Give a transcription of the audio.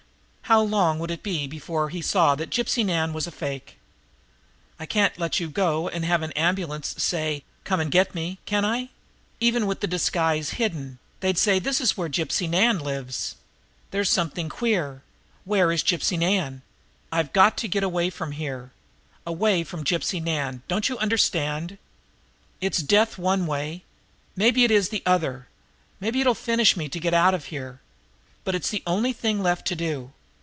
How long would it be before he saw that Gypsy Nan was a fake? I can't let you go and have an ambulance, say, come and get me, can I, even with the disguise hidden away? They'd say this is where Gypsy Nan lives. There's something queer here. Where is Gypsy Nan? I've got to get away from here away from Gypsy Nan don't you understand? It's death one way; maybe it is the other, maybe it'll finish me to get out of here, but it's the only thing left to do.